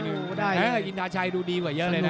ได้อินทาชัยดูดีกว่าเยอะเลยนะ